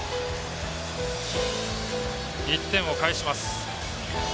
１点を返します。